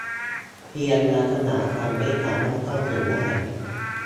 เพียงน้ำสะอาดยังไม่สามารถเข้าถึงได้